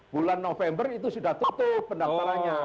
bulan november itu sudah tutup pendaftarannya